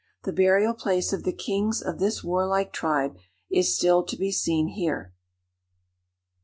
The burial place of the kings of this warlike tribe is still to be seen here.